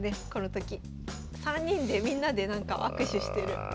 ３人でみんなで握手してる。